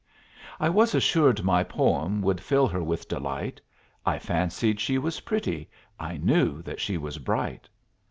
I was assured my poem Would fill her with delight I fancied she was pretty I knew that she was bright!